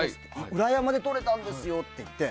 裏山でとれたんですよって言って。